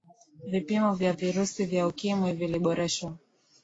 vipimo vya virusi vya ukimwi viliboreshwa